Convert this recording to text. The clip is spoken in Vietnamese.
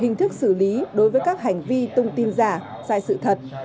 lực xử lý đối với các hành vi tung tin giả sai sự thật